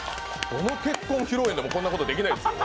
どの結婚披露宴でもこんなことできないですよ。